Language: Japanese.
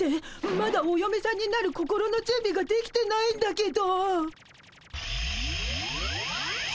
まだおよめさんになる心のじゅんびができてないんだけど。